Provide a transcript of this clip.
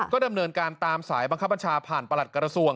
ก็ดำเนินการตามสายบังคับบัญชาผ่านประหลัดกระทรวง